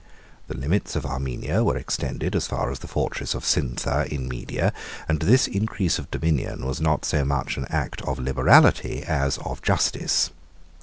The limits of Armenia were extended as far as the fortress of Sintha in Media, and this increase of dominion was not so much an act of liberality as of justice.